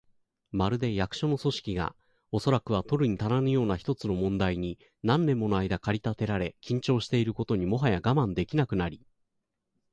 まるで、役所の組織が、おそらくは取るにたらぬような一つの問題に何年ものあいだ駆り立てられ、緊張していることにもはや我慢できなくなり、